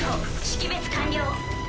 識別完了。